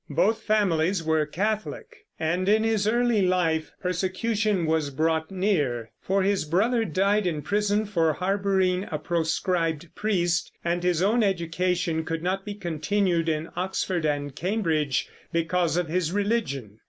Both families were Catholic, and in his early life persecution was brought near; for his brother died in prison for harboring a proscribed priest, and his own education could not be continued in Oxford and Cambridge because of his religion.